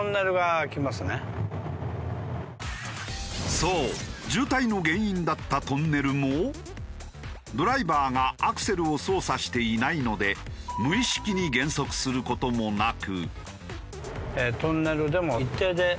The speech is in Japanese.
そう渋滞の原因だったトンネルもドライバーがアクセルを操作していないので無意識に減速する事もなく。